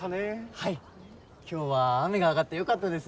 はい今日は雨が上がってよかったです